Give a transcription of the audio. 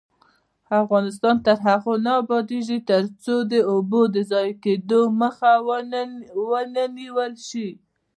افغانستان تر هغو نه ابادیږي، ترڅو د اوبو د ضایع کیدو مخه ونیول نشي.